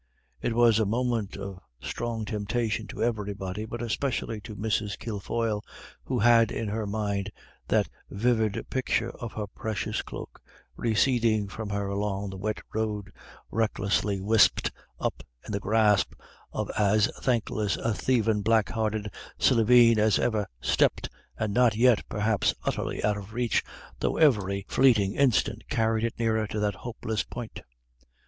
It was a moment of strong temptation to everybody, but especially to Mrs. Kilfoyle, who had in her mind that vivid picture of her precious cloak receding from her along the wet road, recklessly wisped up in the grasp of as thankless a thievin' black hearted slieveen as ever stepped, and not yet, perhaps, utterly out of reach, though every fleeting instant carried it nearer to that hopeless point.